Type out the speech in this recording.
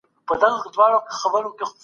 وارزوو! آیا د یو پیغمبر اولاد، چي